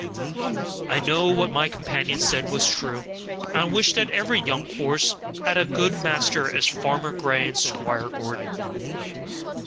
I knew what my companion said was true, and I wished that every young horse had as good masters as Farmer Grey and Squire Gordon.